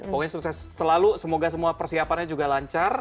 pokoknya sukses selalu semoga semua persiapannya juga lancar